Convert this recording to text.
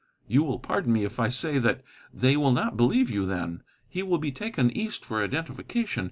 You will pardon me if I say that they will not believe you then. He will be taken East for identification.